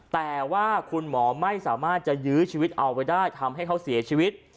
แต่ว่าคุณหมอไม่สามารถจะยื้อชีวิตเอาไว้ได้ทำให้เขาเสียชีวิต